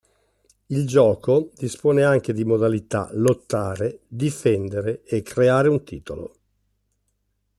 Il gioco dispone anche di modalità lottare, difendere e creare un titolo.